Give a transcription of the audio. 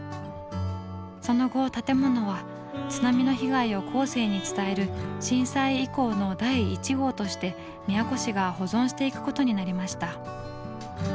その後建物は津波の被害を後世に伝える震災遺構の第１号として宮古市が保存していくことになりました。